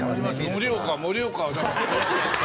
盛岡盛岡。